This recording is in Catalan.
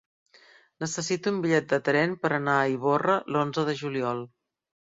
Necessito un bitllet de tren per anar a Ivorra l'onze de juliol.